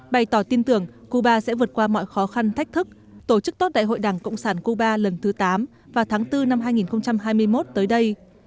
bày tỏ tin tưởng cuba sẽ vượt qua mọi khó khăn thách thức tổ chức tốt đại hội đảng cộng sản cuba lần thứ tám vào tháng bốn năm hai nghìn hai mươi một tới đây